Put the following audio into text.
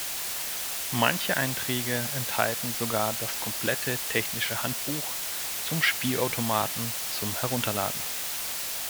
Manche Einträge enthalten sogar das komplette technische Handbuch zum Spielautomaten zum Herunterladen.